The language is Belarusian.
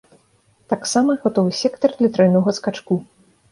Таксама гатовы сектар для трайнога скачку.